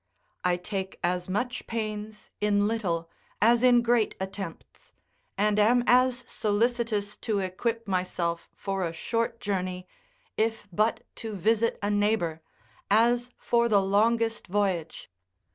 I take as much pains in little as in great attempts, and am as solicitous to equip myself for a short journey, if but to visit a neighbour, as for the longest voyage.